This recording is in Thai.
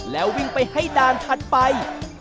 แล้ววิ่งไปให้ด่านถัดไป